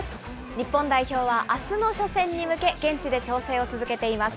日本代表はあすの初戦に向け、現地で調整を続けています。